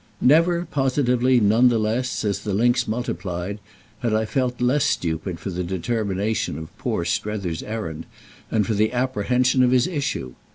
Never, positively, none the less, as the links multiplied, had I felt less stupid than for the determination of poor Strether's errand and for the apprehension of his issue.